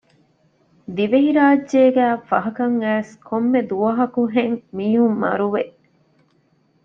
ދިވެހިރާއްޖޭގައި ފަހަކަށް އައިސް ކޮންމެ ދުވަހަކުހެން މީހުން މަރުވެ